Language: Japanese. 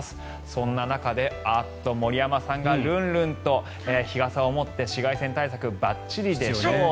そんな中であっと、森山さんがルンルンと日傘を持って紫外線対策ばっちりでしょう。